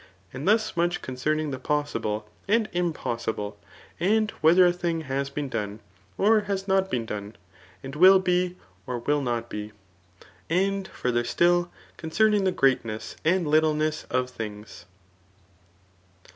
And thus much concerning the possi ble and impossible, and whether a thing has been done, or has not been done, and will be, or will not be ; and further still, concenung the greatness aAd fittleness of things.